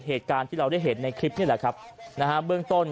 เหตุการณ์ที่เราได้เห็นในคลิปนี่แหละครับนะฮะเบื้องต้น